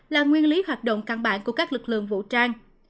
là nguyên lý hoạt động căn bản của các lực lượng vũ trang